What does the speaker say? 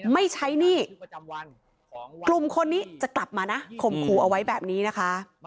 ไม่ใช้หนี้กลุ่มคนนี้จะกลับมานะข่มขู่เอาไว้แบบนี้นะคะ